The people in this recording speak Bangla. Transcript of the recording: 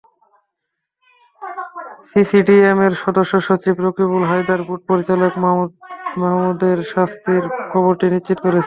সিসিডিএমের সদস্যসচিব রকিবুল হায়দার বোর্ড পরিচালক মাহমুদের শাস্তির খবরটি নিশ্চিত করেছেন।